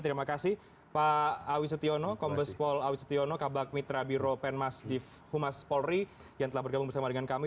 terima kasih pak awi setiono kompes pol awi setiono kabak mitra biro penmas di humas polri yang telah bergabung bersama dengan kami